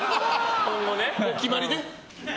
もう決まりね。